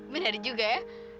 bener juga ya